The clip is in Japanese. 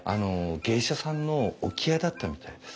芸者さんの置き屋だったみたいです。